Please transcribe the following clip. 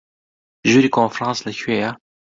ژووری کۆنفرانس لەکوێیە؟